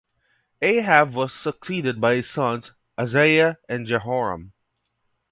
Ahab was succeeded by his sons, Ahaziah and Jehoram.